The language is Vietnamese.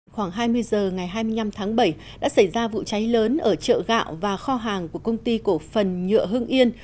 khoảng hai mươi h ngày hai mươi năm tháng bảy đã xảy ra vụ cháy lớn ở chợ gạo và kho hàng của công ty cổ phần nhựa hưng yên